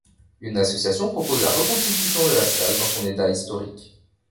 Une association propose la reconstitution de la salle dans son état historique.